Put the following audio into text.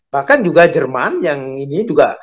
bahkan juga jerman yang ini juga